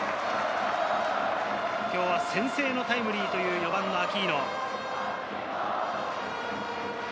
今日は先制のタイムリーという４番のアキーノ。